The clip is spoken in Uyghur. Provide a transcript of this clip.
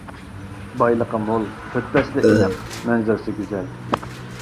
بايلىقى مول، تۆت پەسلى ئېنىق، مەنزىرىسى گۈزەل.